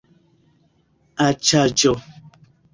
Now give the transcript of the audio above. aĉaĵo